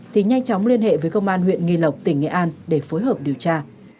thì nhanh chóng liên hệ với công an huyện nghi lộc tỉnh nghệ an để phối hợp điều tra